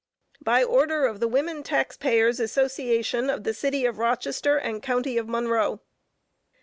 By order of "THE WOMEN TAX PAYERS' ASSOCIATION of the City of Rochester and County of Monroe."